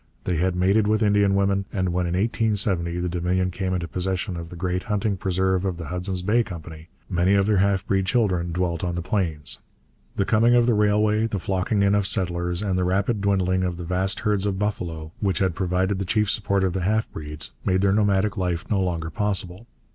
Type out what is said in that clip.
They had mated with Indian women, and when in 1870 the Dominion came into possession of the great hunting preserve of the Hudson's Bay Company, many of their half breed children dwelt on the plains. The coming of the railway, the flocking in of settlers, and the rapid dwindling of the vast herds of buffalo which had provided the chief support of the half breeds, made their nomadic life no longer possible.